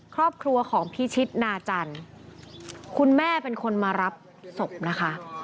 ครอบครัวของพิชิตนาจันทร์คุณแม่เป็นคนมารับศพนะคะ